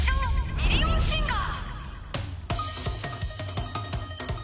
ミリオンシンガー』